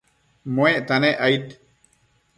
muecta nec aid